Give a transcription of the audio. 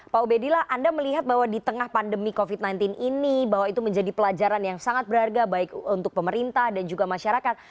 pak ubedillah anda melihat bahwa di tengah pandemi covid sembilan belas ini bahwa itu menjadi pelajaran yang sangat berharga baik untuk pemerintah dan juga masyarakat